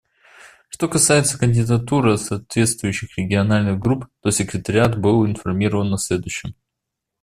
Что касается кандидатур от соответствующих региональных групп, то Секретариат был информирован о следующем.